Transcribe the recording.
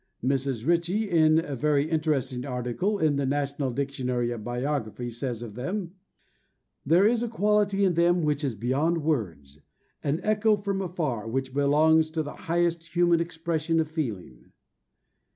Mrs. Ritchie, in a very interesting article in the National Dictionary of Biography, says of them, "There is a quality in them which is beyond words: an echo from afar, which belongs to the highest human expression of feeling."